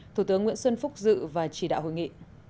thủ tướng nguyễn xuân phúc dự và chỉ đạo hội nghị